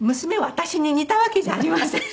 私に似たわけじゃありません。